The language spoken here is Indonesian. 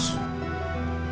pebri tuh masih kecil